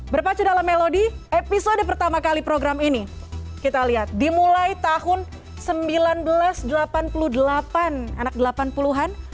berpacu dalam melodi episode pertama kali program ini kita lihat dimulai tahun seribu sembilan ratus delapan puluh delapan anak delapan puluh an